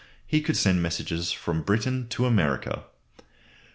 he could send messages from Britain to America.